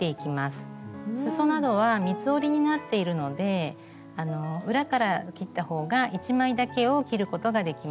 すそなどは三つ折りになっているので裏から切った方が１枚だけを切ることができます。